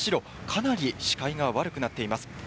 かなり視界が悪くなっています。